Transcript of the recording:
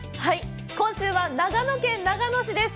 今週は長野県長野市です。